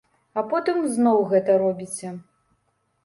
А потым зноў гэта робіце.